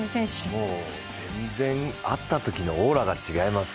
もう全然、会ったときのオーラが違います。